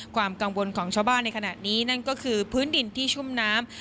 ความกังวลของชาวบ้านในขณะนี้นั่นก็คือพื้นดินที่ชุ่มน้ำ